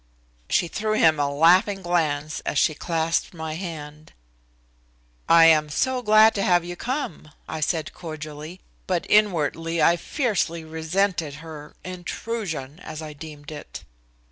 She threw him a laughing glance as she clasped my hand. "I am so glad you have come," I said cordially, but inwardly I fiercely resented her intrusion, as I deemed it.